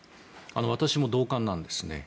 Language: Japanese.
私も同感なんです。